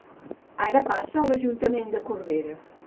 Ara passa l'Ajuntament de Corbera.